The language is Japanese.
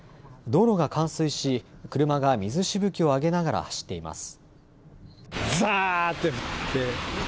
道路が冠水し車が水しぶきを上げながら走っています。